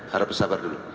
harap bersabar dulu